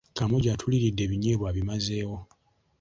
Kaamugye atuliiridde ebinyeebwa abimazeewo